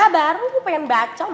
baru gue pengen baca